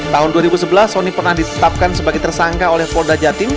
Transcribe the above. tahun dua ribu sebelas soni pernah ditetapkan sebagai tersangka oleh polda jatim